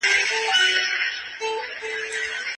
ټول کارونه په سمه توګه ترسره سول.